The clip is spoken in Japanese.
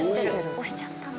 押しちゃったんだ。